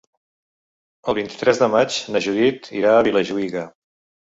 El vint-i-tres de maig na Judit irà a Vilajuïga.